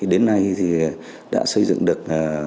đến nay đã xây dựng được